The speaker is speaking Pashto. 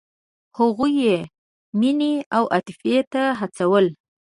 هغوی یې مینې او عاطفې ته هڅول.